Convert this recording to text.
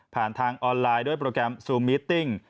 ทางออนไลน์ด้วยโปรแกรมซูมิตติ้ง